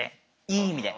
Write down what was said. いい意味で。